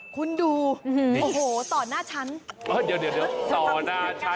คุณดูโอ้โหต่อหน้าฉันเออเดี๋ยวต่อหน้าฉัน